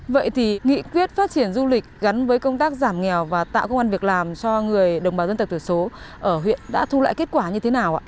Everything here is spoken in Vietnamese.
vậy thì nghị quyết phát triển du lịch gắn với công tác giảm nghèo và tạo công an việc làm cho người đồng bào dân tộc thiểu số ở huyện đã thu lại kết quả như thế nào ạ